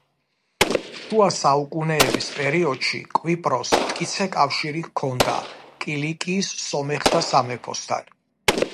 შუა საუკუნეების პერიოდში კვიპროსს მტკიცე კავშირი ჰქონდა კილიკიის სომეხთა სამეფოსთან.